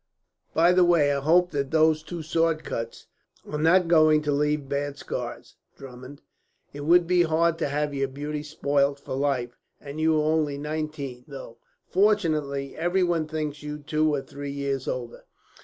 "By the way, I hope that those two sword cuts are not going to leave bad scars, Drummond. It would be hard to have your beauty spoilt for life, and you only nineteen; though, fortunately, everyone thinks you two or three years older.